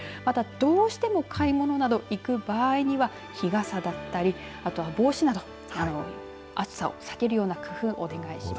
どうしても買い物など行く場合には日傘だったりあとは帽子など、暑さを避けるような工夫をお願いします。